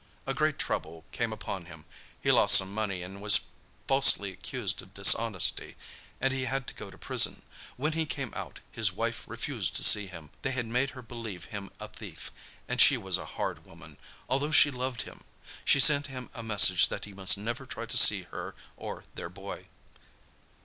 "A great trouble came upon him—he lost some money, and was falsely accused of dishonesty, and he had to go to prison. When he came out his wife refused to see him; they had made her believe him a thief, and she was a hard woman, although she loved him. She sent him a message that he must never try to see her or their boy."